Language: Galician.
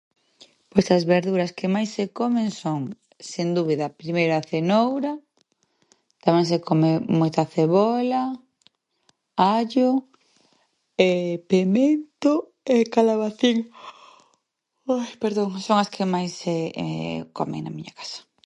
Pois as verduras que máis se comen son, sen dúbida, primeiro a cenoura, tamén se come moita cebola, allo, pemento e calabacín. Perdón. Son as que máis se comen na miña casa.